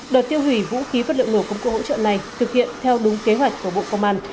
đợt tiêu hủy vũ khí vật liệu nổ công cụ hỗ trợ này thực hiện theo đúng kế hoạch của bộ công an